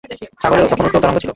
সাগরে তখন উত্তাল তরঙ্গ ছিল।